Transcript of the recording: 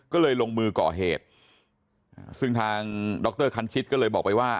ก็เลยลงมือก่อเหตุซึ่งทางดรคันชิตก็เลยบอกไปว่า